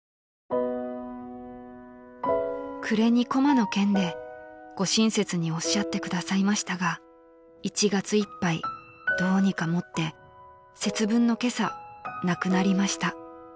［「暮れにコマの件でご親切におっしゃってくださいましたが１月いっぱいどうにか持って節分の今朝亡くなりました」］